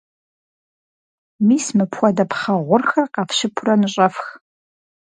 Мис мыпхуэдэ пхъэ гъурхэр къэфщыпурэ ныщӀэфх.